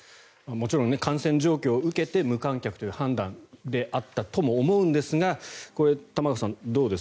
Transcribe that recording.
もちろん感染状況を受けて無観客という判断であったとも思うんですがこれ、玉川さん、どうです？